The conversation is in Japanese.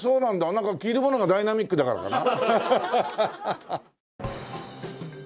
なんか着るものがダイナミックだからかな？